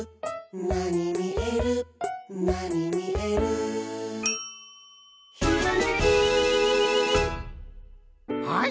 「なにみえるなにみえる」「ひらめき」はい！